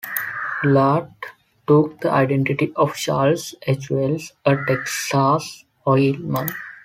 Bullard took the identity of "Charles H. Wells", a Texas oilman.